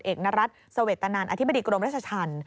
หน้ารัฐสวรรค์ตนานอธิบดิกรมรัฐชน